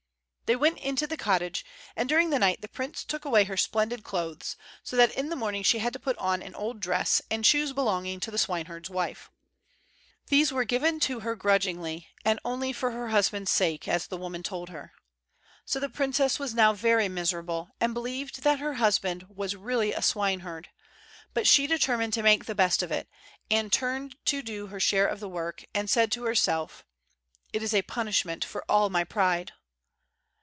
They went into the cottage, and during the night the prince took away her splendid clothes, so that in the morning she had to put on an old dress and shoes belonging to the swineherd's wife. These were given to her grudgingly, and only for her husband's sake, as the woman told her. So the princess was now very miserable, and believed that her husband was really a swineherd; but she determined to make the best of it, and turn to and do her share of the work, and said to herself: "It is a punishment for all my pride."